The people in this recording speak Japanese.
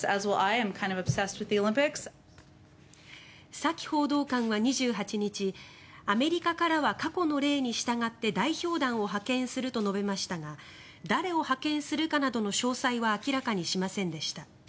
サキ報道官は２８日アメリカからは過去の例に従って代表団を派遣すると述べましたが誰を派遣するかなどの詳細は明らかにしませんでした。